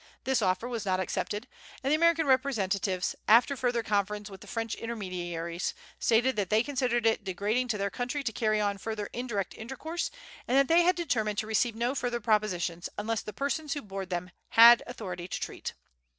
This offer was not accepted, and the American representatives, after further conference with the French intermediaries, stated that they considered it degrading to their country to carry on further indirect intercourse, and that they had determined to receive no further propositions unless the persons who bore them had authority to treat.